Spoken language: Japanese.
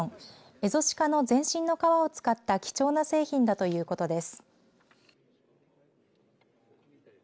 エゾシカの全身の皮を使った貴重な製品だということです。